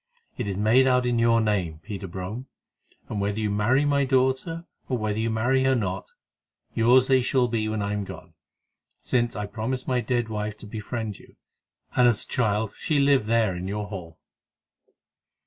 It is made out in your name, Peter Brome, and whether you marry my daughter, or whether you marry her not, yours they shall be when I am gone, since I promised my dead wife to befriend you, and as a child she lived there in your Hall."